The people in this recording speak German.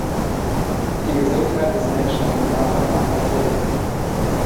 Die Gesundheit des Menschen hängt davon ab, was er isst.